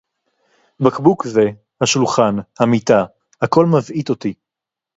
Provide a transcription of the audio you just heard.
בקבוק זה, השולחן, המיטה — הכול מבעית אותי.